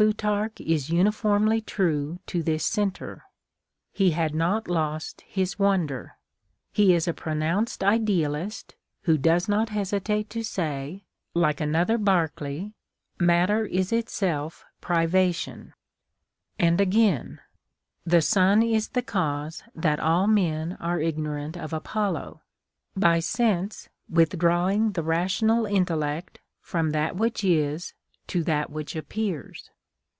Plutarch is uniformly true to this centre. He had not lost his Λvonder. He is a pronounced idealist, who does not hesi tate to say, like another Berkeley, " Matter is itself privation ;" and again, " The Sun is the cause that all men are ignorant of Apollo, by sense withdrawing the rational intellect from that which is to that which appears."